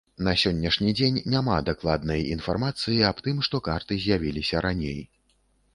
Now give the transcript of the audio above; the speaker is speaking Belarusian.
На сённяшні дзень няма дакладнай інфармацыі аб тым, што карты з'явіліся раней.